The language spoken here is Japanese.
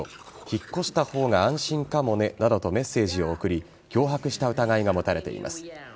引っ越したほうが安心かもねなどとメッセージを送り脅迫した疑いが持たれています。